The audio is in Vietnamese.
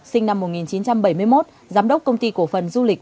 sinh năm một nghìn chín trăm bảy mươi một giám đốc công ty cổ phần du lịch